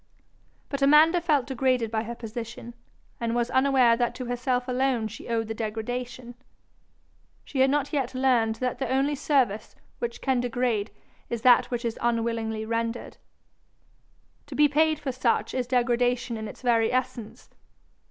But Amanda felt degraded by her position, and was unaware that to herself alone she owed the degradation: she had not yet learned that the only service which can degrade is that which is unwillingly rendered. To be paid for such, is degradation in its very essence.